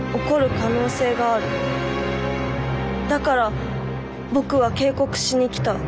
だから僕は警告しに来た。